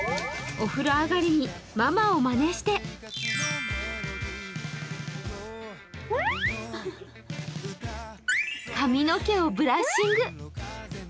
お風呂上がりにママをまねして、髪の毛をブラッシング。